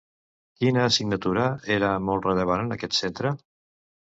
Quina assignatura era molt rellevant en aquest centre?